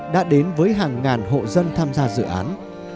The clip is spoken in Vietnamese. đã đến với hàng ngàn hộ dân tham gia dự án